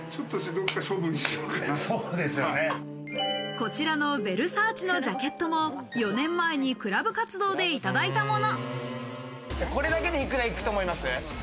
こちらのヴェルサーチのジャケットも４年前にクラブ活動でいただいたもの。